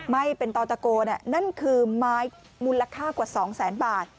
ไม่เป็นต่อตะโกนั่นคือไม้มูลค่ากว่า๒แสนบาท